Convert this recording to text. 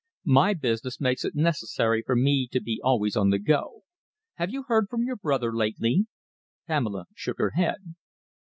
"My business makes it necessary for me to be always on the go. Have you heard from your brother lately?" Pamela shook her head.